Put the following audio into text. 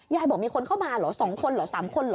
บอกมีคนเข้ามาเหรอ๒คนเหรอ๓คนเหรอ